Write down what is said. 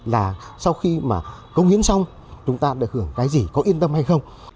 là sau khi mà công hiến xong chúng ta được hưởng cái gì có yên tâm hay không